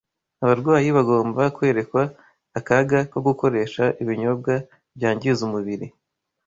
Abarwayi bagomba kwerekwa akaga ko gukoresha ibinyobwa byangiza umubiri